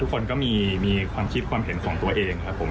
ทุกคนก็มีความคิดความเห็นของตัวเองครับผม